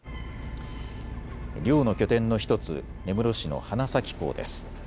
漁の拠点の１つ、根室市の花咲港です。